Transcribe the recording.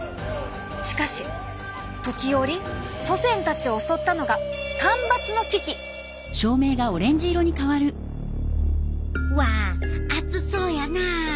しかし時折祖先たちを襲ったのがうわ暑そうやな。